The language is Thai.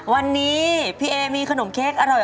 วันนี้พี่เอมีขนมเค้กอร่อย